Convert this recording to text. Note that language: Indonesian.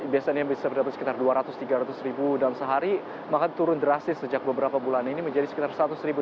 biasanya bisa mendapatkan sekitar dua ratus tiga ratus ribu dalam sehari maka turun drastis sejak beberapa bulan ini menjadi sekitar seratus ribu